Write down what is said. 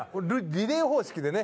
リレー方式でね。